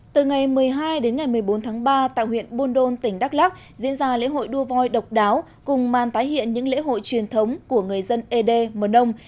từ ngày một mươi hai đến ngày một mươi bốn tháng ba tại huyện buôn đôn tỉnh đắk lắc diễn ra lễ hội đua voi độc đáo cùng màn tái hiện những lễ hội truyền thống của người dân ed mờ đông